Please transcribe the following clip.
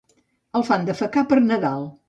El fan defecar per Nadal.